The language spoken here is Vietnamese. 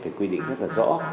phải quy định rất là rõ